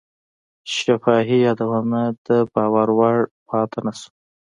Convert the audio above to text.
شفاهي یادونه د باور وړ پاتې نه شوه.